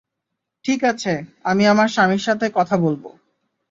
ঠিক আছে, আমি আমার স্বামীর সাথে কথা বলবো।